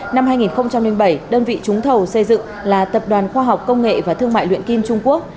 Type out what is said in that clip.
năm hai nghìn bảy đơn vị trúng thầu xây dựng là tập đoàn khoa học công nghệ và thương mại luyện kim trung quốc